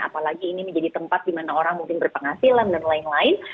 apalagi ini menjadi tempat dimana orang mungkin berpenghasilan dan lain lain